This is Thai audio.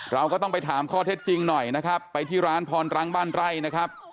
เราก็ต้องไปถามข้อเท็จจริงหน่อยนะครับไปที่ร้านพรรังบ้านไร่นะครับ